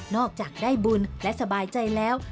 อกจากได้บุญและสบายใจแล้ว